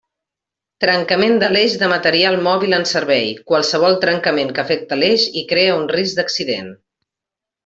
Trencament de l'eix de material mòbil en servei: qualsevol trencament que afecte l'eix i cree un risc d'accident.